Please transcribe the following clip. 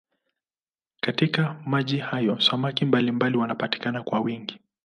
Katika maji hayo samaki mbalimbali wanapatikana kwa wingi.